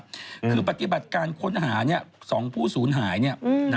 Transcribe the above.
คือปฏิบัติการค้นหา๒ผู้ศูนย์หาย